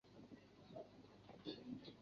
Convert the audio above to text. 邵伯温。